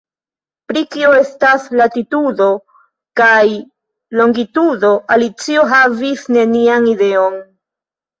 Pri kio estas latitudo kaj longitudo Alicio havis nenian ideon.